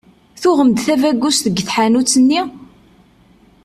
Tuɣem-d tabagust deg tḥanut-nni?